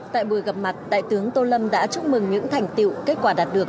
tại buổi gặp mặt đại tướng tô lâm đã chúc mừng những thành tiệu kết quả đạt được